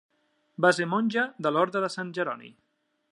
Va ser monja de l'orde de Sant Jeroni.